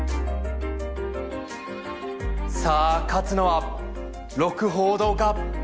さあ勝つのは鹿楓堂か？